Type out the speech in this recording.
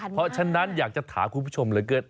เพราะฉะนั้นอยากจะถามคุณผู้ชมเหลือเกิน